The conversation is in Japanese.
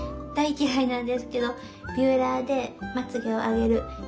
大嫌いなんですけどビューラーでまつげを上げる。